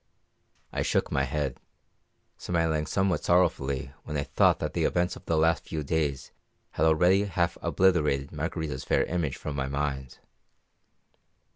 I shook my head, smiling somewhat sorrowfully when I thought that the events of the last few days had already half obliterated Margarita's fair image from my mind.